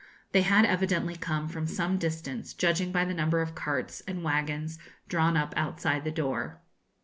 They had evidently come from some distance, judging by the number of carts and wagons drawn up outside the door.